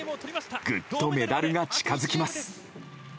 ぐっとメダルが近づきます。